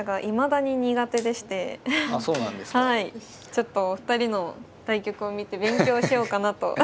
ちょっとお二人の対局を見て勉強しようかなと。